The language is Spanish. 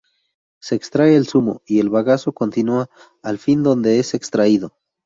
Se extrae el zumo y el bagazo continúa al fin donde es extraído.